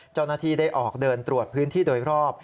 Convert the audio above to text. เจ้าหน้าที่ได้ออกเดินตรวจพื้นที่โดยรอบ